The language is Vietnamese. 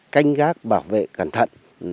cánh gác bảo vệ cẩn thận